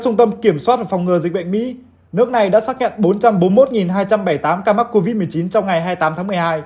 trung tâm kiểm soát và phòng ngừa dịch bệnh mỹ nước này đã xác nhận bốn trăm bốn mươi một hai trăm bảy mươi tám ca mắc covid một mươi chín trong ngày hai mươi tám tháng một mươi hai